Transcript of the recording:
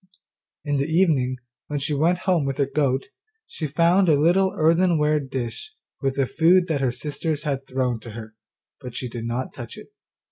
In the evening, when she went home with her goat, she found a little earthenware dish with the food that her sisters had thrown to her, but she did not touch it.